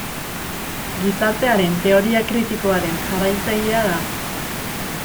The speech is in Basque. Gizartearen Teoria Kritikoaren jarraitzailea da.